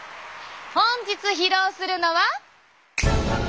本日披露するのは。